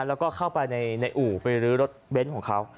แล้วก็เข้าไปในอู่ไปรื้อรถเบนท์ของเขา